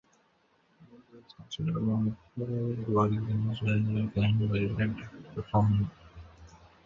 Broza is considered one of the world's most dynamic and vibrant performers.